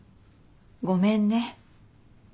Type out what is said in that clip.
ごめんね。